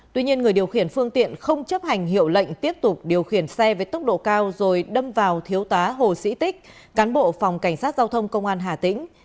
tuy nhiên người điều khiển phương tiện không chấp hành hiệu lệnh tiếp tục điều khiển xe với tốc độ cao rồi đâm vào thiếu tá hồ sĩ tích cán bộ phòng cảnh sát giao thông công an hà tĩnh